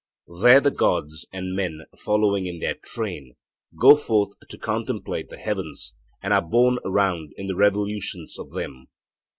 There the Gods, and men following in their train, go forth to contemplate the heavens, and are borne round in the revolutions of them.